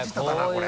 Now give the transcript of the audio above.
これ。